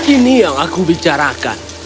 ini yang aku bicarakan